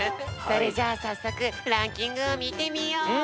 それじゃあさっそくランキングをみてみよう！